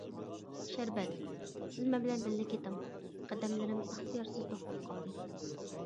-شەربەت، سىز مەن بىلەن بىللە كېتىڭ-قەدەملىرىم ئىختىيارسىز توختاپ قالدى.